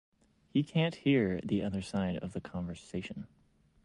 He can’t hear the other side of the conversation.